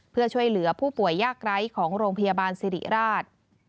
เพื่อช่วยเหลือผู้ป่วยยากไร้ของโรงพยาบาลสิริราช